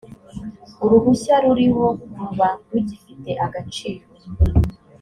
uruhushya ruriho ruba rugifite agaciro.